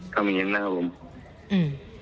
ทำอย่างงี้ถ้าครับผม